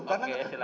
karena bahan kimia